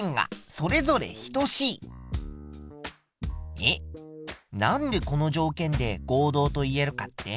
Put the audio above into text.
えっなんでこの条件で合同と言えるかって？